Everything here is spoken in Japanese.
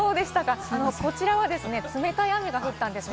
こちらは冷たい雨が降ったんですね。